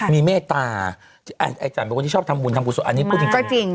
มีเมตตาไอ้จันทร์เป็นคนที่ชอบทำบุญทำกุศลอันนี้พูดจริง